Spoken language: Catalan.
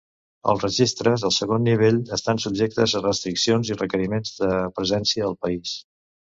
Els registres al segon nivell estan subjectes a restriccions i requeriments de presència al país.